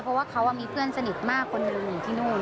เพราะว่าเขามีเพื่อนสนิทมากคนลงที่นู้น